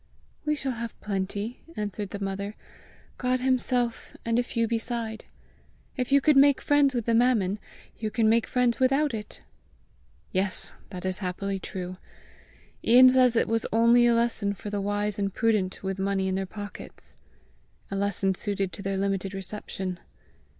"We shall have plenty," answered the mother, " God himself, and a few beside! If you could make friends with the mammon, you can make friends without it!" "Yes, that is happily true! Ian says it was only a lesson for the wise and prudent with money in their pockets a lesson suited to their limited reception!"